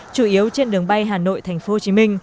chủ yếu trên đường bay hà nội tp hcm